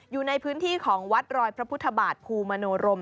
อยู่ในพื้นที่ของวัดรอยพระพุทธบาทภูมโนรม